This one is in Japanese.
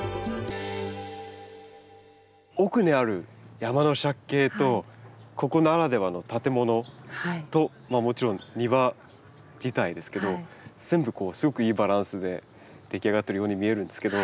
奥にある山の借景とここならではの建物ともちろん庭自体ですけど全部すごくいいバランスで出来上がってるように見えるんですけど。